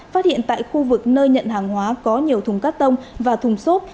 phát hiện tại khu vực nơi nhận hàng hóa có nhiều thùng cắt tông và thùng xốp